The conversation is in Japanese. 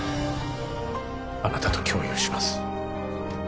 あなたと共有します